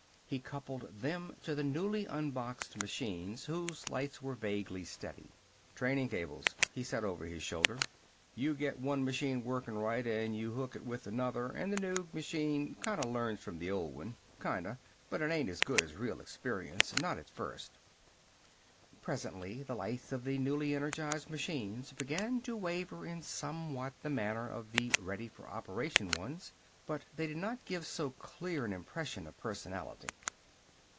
He coupled them to the newly unboxed machines, whose lights were vaguely steady. "Training cables," he said over his shoulder. "You get one machine working right, and you hook it with another, and the new machine kinda learns from the old one. Kinda! But it ain't as good as real experience. Not at first." Presently the lights of the newly energized machines began to waver in somewhat the manner of the ready for operation ones. But they did not give so clear an impression of personality.